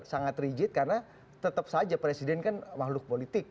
sangat rigid karena tetap saja presiden kan makhluk politik